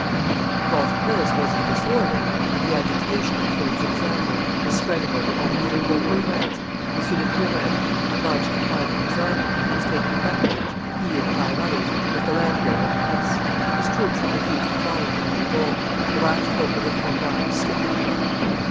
247.] Whilst Paris was in disorder, and the agitation, through its example, was spreading over almost the whole of France, M. de Turenne, obliged to fly from his army, was taking refuge, he and five others, with the landgrave of Hesse; his troops had refused to follow him in revolt; the last hope of the Frondeurs was slipping from them.